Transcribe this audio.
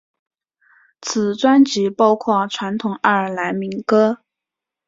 此专辑包括传统爱尔兰民歌。